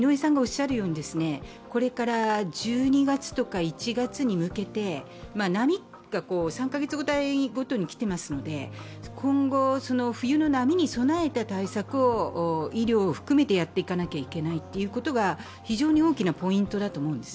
ただ、これから１２月とか１月に向けて波が３カ月ごとに来ていますので、今後、冬の波に備えて対策を医療を含めてやっていかなきゃいけないというのが非常に大きなポイントだと思います。